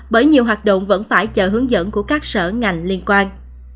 bởi nhiều hoạt động vẫn phải chờ hướng dẫn của các sở ngành liên quan